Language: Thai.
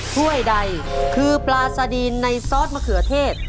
ถ้วยใดคือปลาสดีนในซอสมะเขือเทศ